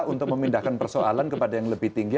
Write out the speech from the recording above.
untuk memindahkan persoalan kepada yang lebih tinggi